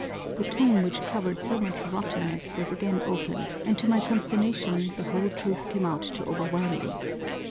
The tomb which covered so much rottenness was again opened and to my consternation the whole truth came out to overwhelm me.